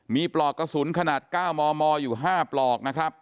มีปลอกกระสุนขนาด๙มมอยู่๕ปลอกนะครับ